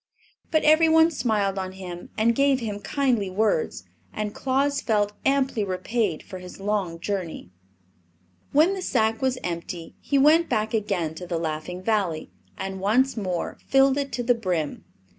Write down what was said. But every one smiled on him and gave him kindly words, and Claus felt amply repaid for his long journey. When the sack was empty he went back again to the Laughing Valley and once more filled it to the brim.